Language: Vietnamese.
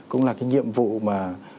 cũng là cái nhiệm vụ mà